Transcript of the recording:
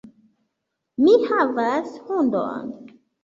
Mi havas hundon.